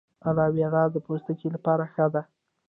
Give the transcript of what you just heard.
ایلوویرا د پوستکي لپاره ښه ده